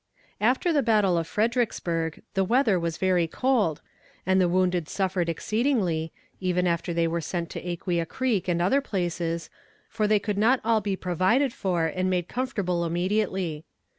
After the battle of Fredericksburg the weather was very cold, and the wounded suffered exceedingly even after they were sent to Aquia Creek, and other places for they could not all be provided for and made comfortable immediately.